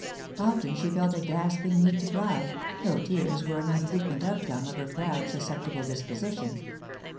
Often she felt a gasping need to cry, though tears were an unfrequent outcome of her proud, susceptible disposition.